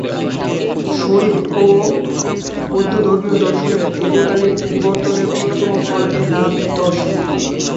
শৈব ও বৌদ্ধধর্মীয় দর্শনের দীর্ঘকালীন বিবর্তনের অন্যতম ফল এ নাথ দর্শন।